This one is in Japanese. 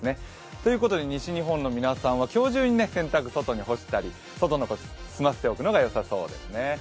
ということで、西日本の皆さんは今日中に洗濯物を済ませたり外のことを済ませておくのがよさそうですね。